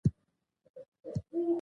د وضع څخه یې شکایت وکړ.